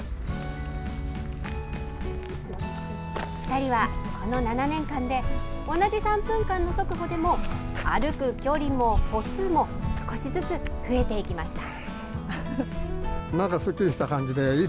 ２人はこの７年間で、同じ３分間の速歩でも、歩く距離も歩数も、少しずつ増えていきました。